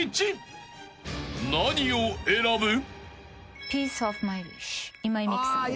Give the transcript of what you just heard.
［何を選ぶ？］